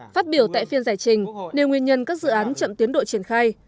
phát biểu tại phiên giải trình đều nguyên nhân các dự án chậm tiến đội triển khai